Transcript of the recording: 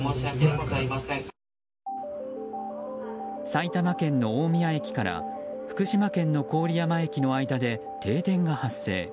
埼玉県の大宮駅から福島県の郡山駅の間で停電が発生。